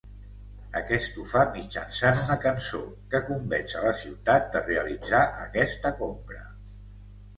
Aquest ho fa mitjançant una cançó, que convenç a la ciutat de realitzar aquesta compra.